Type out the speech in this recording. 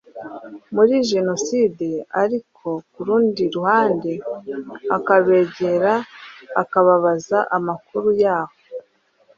muri jenoside, ariko ku rundi ruhande akabegera ababaza amakuru yaho,